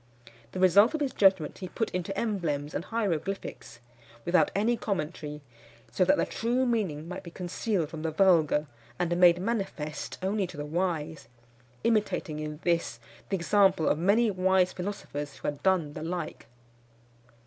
The result of his judgment he put into emblems and hieroglyphics, without any commentary, so that the true meaning might be concealed from the vulgar, and made manifest only to the wise; imitating in this the example of many wise philosophers who had done the like.